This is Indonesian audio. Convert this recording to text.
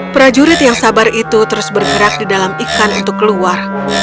prajurit yang sabar itu terus bergerak di dalam ikan untuk keluar